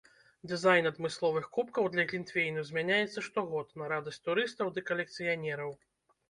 Дызайн адмысловых кубкаў для глінтвейну змяняецца штогод, на радасць турыстаў ды калекцыянераў.